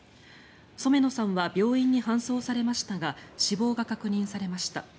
染野さんは病院に搬送されましたが死亡が確認されました。